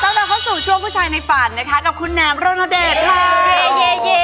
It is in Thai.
เราเข้าสู่ช่วงผู้ชายในฝันนะคะกับคุณแหมรณเดชค่ะ